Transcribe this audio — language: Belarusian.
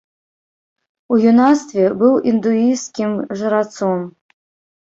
У юнацтве быў індуісцкім жрацом.